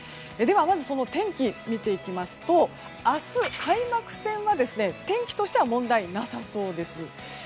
ではまず、その天気を見ていきますと明日、開幕戦は天気としては問題なさそうです。